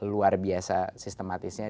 luar biasa sistematisnya